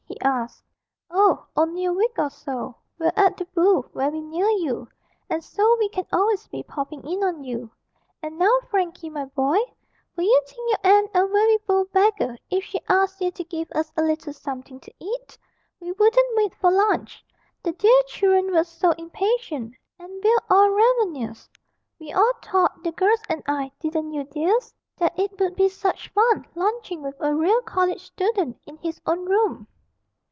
he asked. 'Oh, only a week or so; we're at the "Bull," very near you; and so we can always be popping in on you. And now, Frankie, my boy, will you think your aunt a very bold beggar if she asks you to give us a little something to eat? We wouldn't wait for lunch, the dear children were so impatient, and we're all ravenous! We all thought, the girls and I (didn't you, dears?) that it would be such fun lunching with a real college student in his own room.'